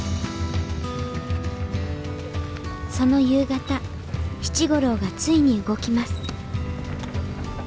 その夕方七五郎がついに動きます